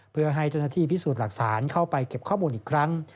เพื่อให้เจ้าหน้าที่พิสูจน์หลักฐานเข้าไปเก็บข้อมูลอีกครั้ง